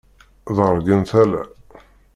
Ḍeṛgen tala.